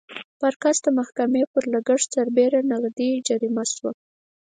پارکس د محکمې پر لګښت سربېره نغدي جریمه شوه.